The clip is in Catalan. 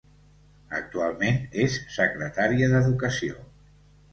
Actualment és secretària d'Educació.